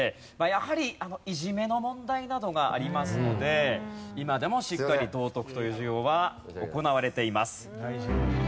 やはりいじめの問題などがありますので今でもしっかり道徳という授業は行われています。